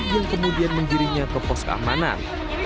yang kemudian menggiringnya ke pos keamanan